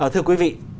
thưa quý vị